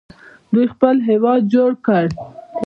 دوی خپل هیواد جوړ کړ.